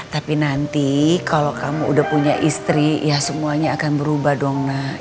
tapi nanti kalau kamu udah punya istri ya semuanya akan berubah dong nak